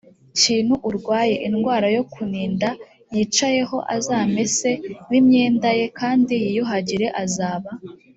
kintu urwaye indwara yo kuninda yicayeho azamese b imyenda ye kandi yiyuhagire azaba